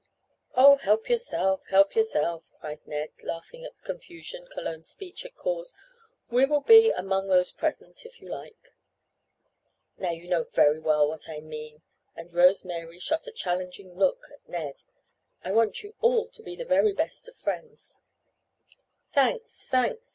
"Oh, help yourself! Help yourself!" cried Ned, laughing at the confusion Cologne's speech had caused. "We will be 'among those present' if you like." "Now you know very well what I mean!" and Rose Mary shot a challenging look at Ned. "I want you all to be the very best of friends—" "Thanks, thanks!"